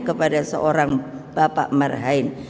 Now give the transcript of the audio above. kepada seorang bapak marhain